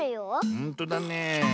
ほんとだねえ。